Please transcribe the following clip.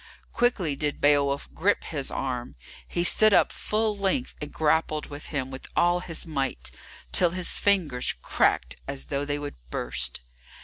Quickly did Beowulf grip his arm; he stood up full length and grappled with him with all his might, till his fingers cracked as though they would burst.